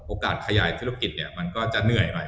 โอกาสขยายธุรกิจมันก็จะเหนื่อยเลย